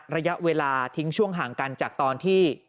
ระยะเวลาทิ้งช่วงห่างกันจากตอนที่